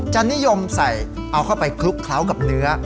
นิยมใส่เอาเข้าไปคลุกเคล้ากับเนื้อ